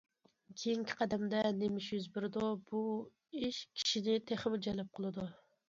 كېيىنكى قەدەمدە نېمە ئىش يۈز بېرىدۇ، بۇ ئىش كىشىنى تېخىمۇ جەلپ قىلىدۇ.